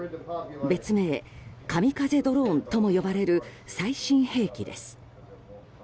別名カミカゼドローンとも呼ばれる最新兵器です。